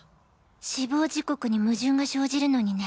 死亡時刻に矛盾が生じるのにね。